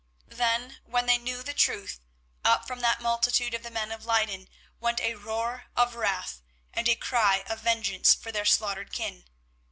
Then, when they knew the truth, up from that multitude of the men of Leyden went a roar of wrath, and a cry to vengeance for their slaughtered kin.